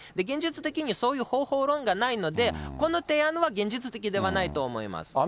現実的にそういう方法論がないので、この提案は現実的ではないと思います。